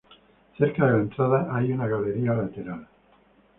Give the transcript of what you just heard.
Cerca de la entrada hay una galería lateral.